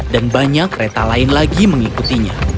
dan banyak kereta lain lagi mengikutinya